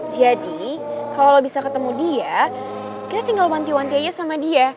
jadi kalo lo bisa ketemu dia kita tinggal wanti wanti aja sama dia